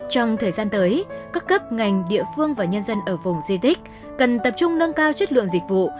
trong thời gian tới các cấp ngành địa phương và nhân dân ở vùng di tích cần tập trung nâng cao chất lượng dịch vụ